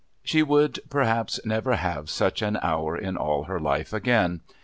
She would perhaps never have such an hour in all her life again.